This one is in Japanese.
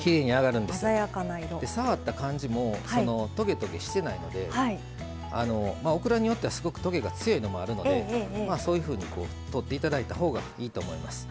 触った感じもトゲトゲしてないのでオクラによってはすごくトゲが強いのもあるのでそういうふうに取って頂いたほうがいいと思います。